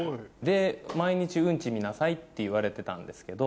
毎日うんち見なさいって言われてたんですけど。